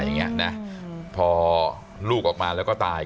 อย่างเงี้ยนะพอลูกออกมาแล้วก็ตาย